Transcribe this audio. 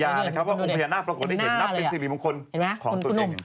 เพราะองค์พญานาคปรากฏให้เห็นนับเป็นสิริมงคลของตัวเอง